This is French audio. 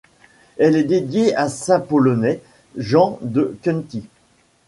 Elle est dédiée à un saint polonais, Jean de Kenty.